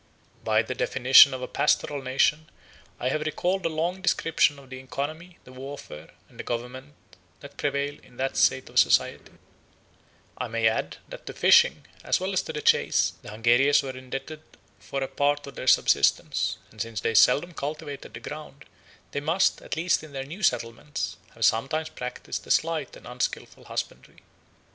By the definition of a pastoral nation, I have recalled a long description of the economy, the warfare, and the government that prevail in that state of society; I may add, that to fishing, as well as to the chase, the Hungarians were indebted for a part of their subsistence; and since they seldom cultivated the ground, they must, at least in their new settlements, have sometimes practised a slight and unskilful husbandry.